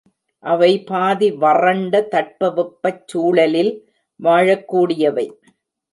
அவை பாதி வறண்ட தட்பவெப்பச் சூழலில் வாழக் கூடியவை.